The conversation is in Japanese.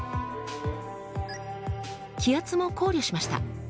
気圧も考慮しました。